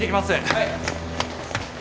・はい。